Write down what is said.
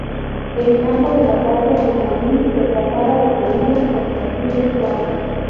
El campo de batalla en Kolín se trataba de colinas con perfiles suaves.